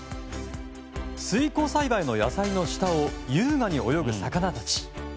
水耕栽培の野菜の下を優雅に泳ぐ魚たち。